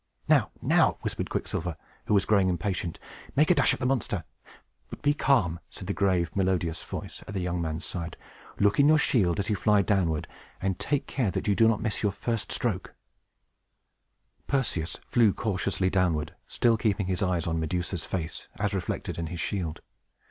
"Now, now!" whispered Quicksilver, who was growing impatient. "Make a dash at the monster!" "But be calm," said the grave, melodious voice at the young man's side. "Look in your shield, as you fly downward, and take care that you do not miss your first stroke." [Illustration: PERSEVS & THE GORGONS] Perseus flew cautiously downward, still keeping his eyes on Medusa's face, as reflected in his shield.